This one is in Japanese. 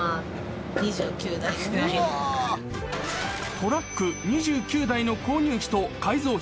［トラック２９台の購入費と改造費］